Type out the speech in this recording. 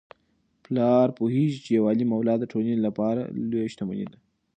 پلار پوهیږي چي یو عالم اولاد د ټولنې لپاره لویه شتمني ده.